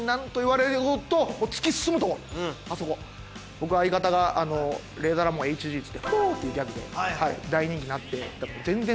僕は相方がレイザーラモンＨＧっつってフォーっていうギャグで大人気になって。